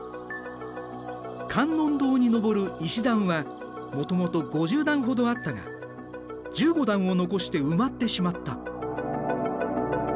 観音堂に上る石段はもともと５０段ほどあったが１５段を残して埋まってしまった。